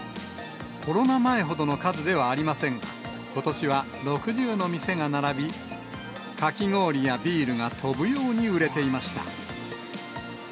コロナ前ほどの数ではありませんが、ことしは６０の店が並び、かき氷やビールが飛ぶように売れていました。